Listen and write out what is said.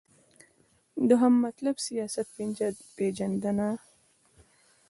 دوهم مطلب : سیاست پیژندنه